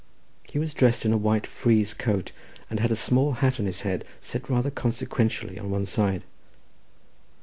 He was dressed in a white frieze coat, and had a small hat on his head, set rather consequentially on one side.